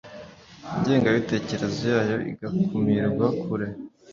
Ingengabitekerezo yayo igakumirirwa kure.